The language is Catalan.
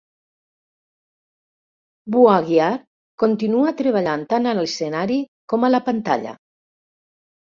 Buhagiar continua treballant tant a l'escenari com a la pantalla.